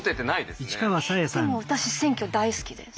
でも私選挙大好きです。